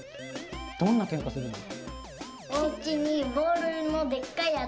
どんなケンカするの？